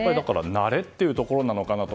慣れというところなのかなと。